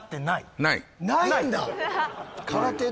ないんだ！